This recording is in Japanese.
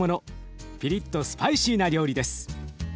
ピリッとスパイシーな料理です。